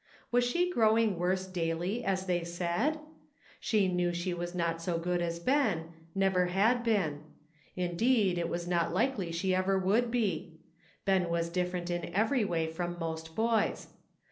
Was she growing worse daily, as they said? She knew she was not so good as Ben, never 16 DISAPPOINTMENT. had been ; indeed it was not likely she ever would be. Ben was different in every way from most boys.